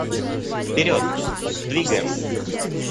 Вперед, двигаем!